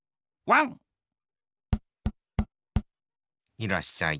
いらっしゃい。